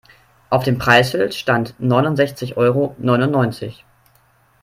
Auf dem Preisschild stand neunundsechzig Euro neunundneunzig.